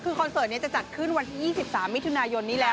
คือคอนเสิร์ตจะจัดขึ้นวันที่๒๓มิถุนายนนี้แล้ว